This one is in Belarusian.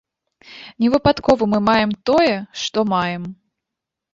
Не выпадкова мы маем, тое, што маем.